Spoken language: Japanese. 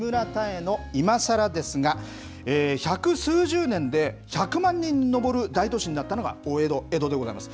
木村多江の、いまさらですが、百数十年で１００万人に上る大都市になったのが、大江戸、江戸でございます。